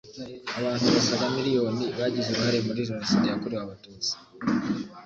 Abantu basaga miliyoni bagize uruhare muri Jenoside yakorewe Abatutsi